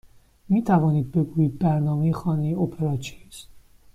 می توانید بگویید برنامه خانه اپرا چیست؟